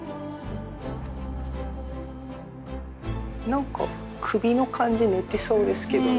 何か首の感じ寝てそうですけどね。